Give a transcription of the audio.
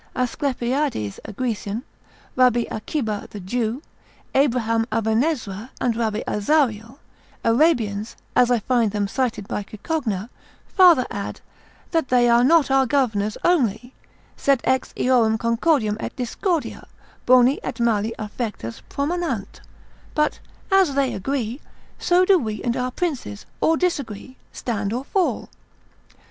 Asclepiades a Grecian, Rabbi Achiba the Jew, Abraham Avenezra, and Rabbi Azariel, Arabians, (as I find them cited by Cicogna) farther add, that they are not our governors only, Sed ex eorum concordia et discordia, boni et mali affectus promanant, but as they agree, so do we and our princes, or disagree; stand or fall.